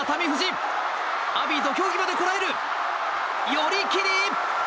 寄り切り！